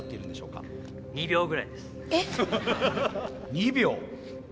２秒。